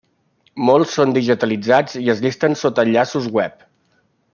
Molts són digitalitzats i es llisten sota enllaços web.